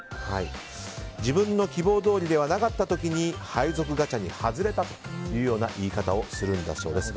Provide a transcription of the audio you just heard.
自分の希望どおりではなかった時に配属ガチャに外れたという言い方をするんだそうです。